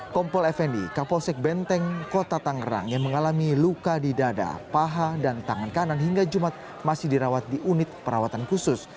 kompol fnd kapolsek benteng kota tangerang yang mengalami luka di dada paha dan tangan kanan hingga jumat masih dirawat di unit perawatan khusus